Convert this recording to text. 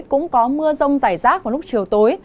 cũng có mưa rông rải rác vào lúc chiều tối